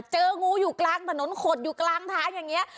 เจองูอยู่กลางถนนขดอยู่กลางทางอย่างนี้